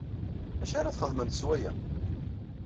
D acu ara ad txedmemt s waya?